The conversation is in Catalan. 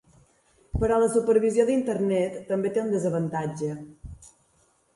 Però la supervisió d'Internet també té un desavantatge.